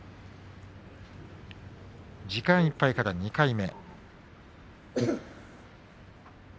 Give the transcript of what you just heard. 時間いっぱいから２回目。